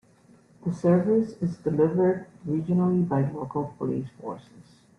The service is delivered regionally by local police forces.